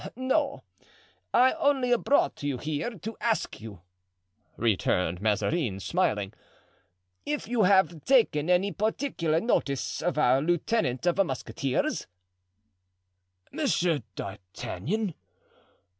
"No; I only brought you here to ask you," returned Mazarin, smiling, "if you have taken any particular notice of our lieutenant of musketeers?" "Monsieur d'Artagnan?